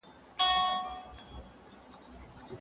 ښکاروي یې هره ورځ لکه پسونه